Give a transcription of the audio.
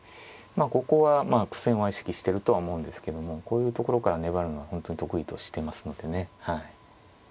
まあここは苦戦は意識してるとは思うんですけどもこういうところから粘るのは本当に得意としてますのでねはい。